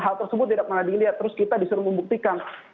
hal tersebut tidak pernah dilihat terus kita disuruh membuktikan